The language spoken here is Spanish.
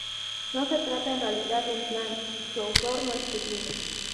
No se trata en realidad de un plan, y su autor no es Putin.